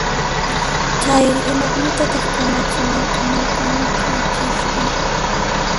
Chayri, imakunatataq kamachinakamurqankichisri?